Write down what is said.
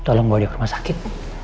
tolong bawa dia ke rumah sakit